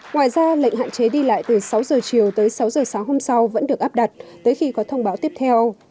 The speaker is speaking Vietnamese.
ngoài ra lệnh hạn chế đi lại từ sáu giờ chiều tới sáu giờ sáng hôm sau vẫn được áp đặt tới khi có thông báo tiếp theo